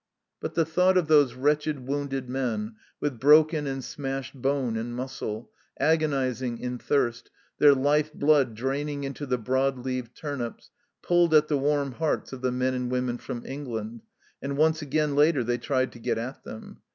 But the thought of those wretched wounded men, with broken and smashed bone and muscle, agonizing in thirst, their life blood draining into the broad leaved turnips, pulled at the warm hearts of the men and women from England, and once again later they tried to get at them.